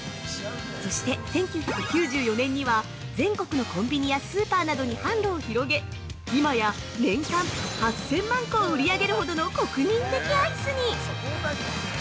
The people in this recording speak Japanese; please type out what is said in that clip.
そして１９９４年には全国のコンビニやスーパーなどに販路を広げ、今や年間８０００万個を売り上げるほどの国民的アイスに。